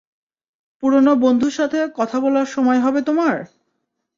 পুরানো বন্ধুর সাথে কথা বলার সময় হবে তোমার?